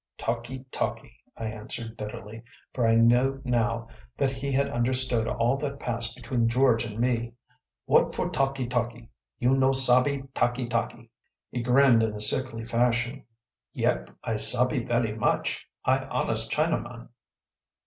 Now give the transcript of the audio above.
‚ÄĚ “Talkee talkee,‚ÄĚ I answered bitterly, for I knew now that he had understood all that passed between George and me. “What for talkee talkee? You no sabbe talkee talkee.‚ÄĚ He grinned in a sickly fashion. “Yep, I sabbe velly much. I honest Chinaman.